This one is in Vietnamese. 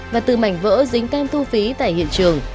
và từ mảnh vỡ dính cam thu phí tại hiện trường